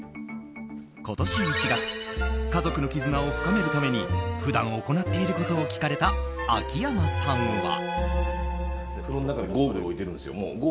今年１月家族の絆を深めるために普段行っていることを聞かれた秋山さんは。